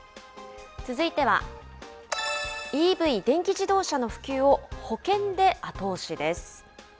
続いては、ＥＶ・電気自動車の普及を保険で後押しです。